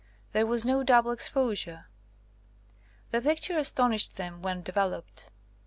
"There was no double exposure. The pic ture astonished them when developed.